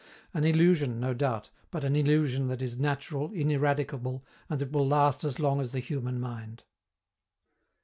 An illusion, no doubt, but an illusion that is natural, ineradicable, and that will last as long as the human mind!